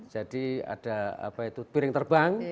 jadi ada apa itu piring terbang